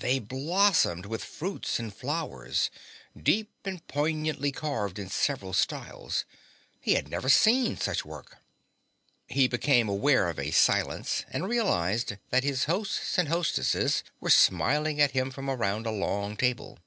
They blossomed with fruits and flowers, deep and poignantly carved in several styles. He had never seen such work. He became aware of a silence and realized that his hosts and hostesses were smiling at him from around a long table.